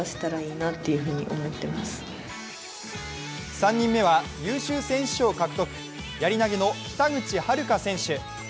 ３人目は優秀選手賞を獲得やり投げの北口榛花選手。